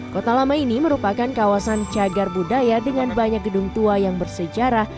kota lama ini merupakan kawasan cagar budaya dengan banyak gedung tua yang bersejarah